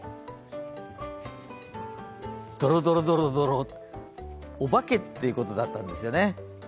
ドロドロドロ、お化けっていうことだったんですよね。